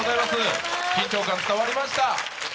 緊張感伝わりました。